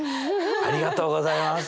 ありがとうございます！